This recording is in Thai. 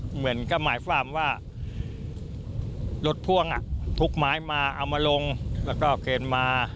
เหมือนก็หมายความว่ารถพ่วงทุกไม้มาเอามาลงแล้วก็เกินมา